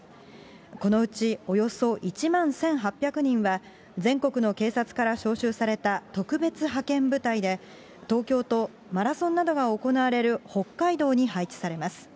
このうちおよそ１万１８００人は、全国の警察から招集された特別派遣部隊で、東京と、マラソンなどが行われる北海道に配置されます。